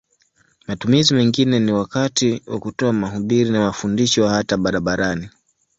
Matumizi mengine ni wakati wa kutoa mahubiri na mafundisho hata barabarani.